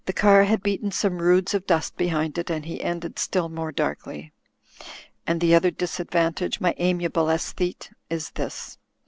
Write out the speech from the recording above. The car had beaten some roods of dust behind it, and he ended still more darkly: "And the other disadvantage, my amiable aesthete, is this.